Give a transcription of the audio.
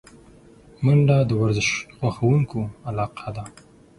منډه د ورزش خوښونکو علاقه ده